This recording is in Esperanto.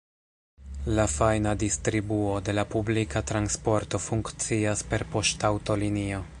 La fajna distribuo de la publika transporto funkcias per poŝtaŭtolinio.